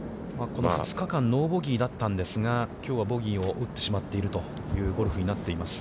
この２日間、ノーボギーだったんですが、きょうはボギーを打ってしまっているというゴルフになっています。